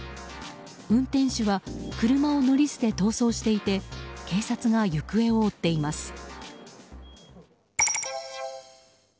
運転手は車を乗り捨て逃走していて警察が行方を追っています。